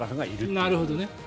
なるほどね。